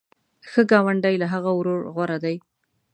ښه ګاونډی له هغه ورور غوره دی.